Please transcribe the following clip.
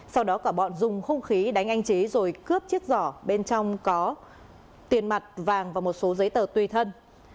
sau đó cả bọn dùng hung khí đánh anh chế rồi cướp chiếc giỏ bên trong có tiền mặt vàng và một số giấy tờ tùy thân